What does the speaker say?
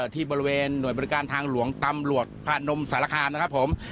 ที่บริเวณหน่วยบริการทางหลวงตำรวจพานมสารคามนะครับผม